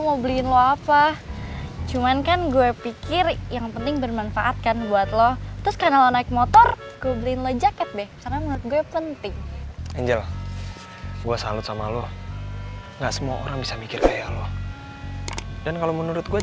karena memang kadang kadang kalo anak berprestasi itu harus dikasih reward